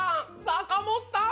坂本さん